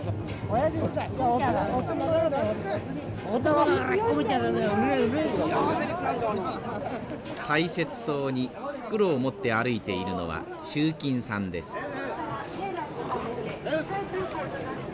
大切そうに袋を持って歩いているのは集金さんです。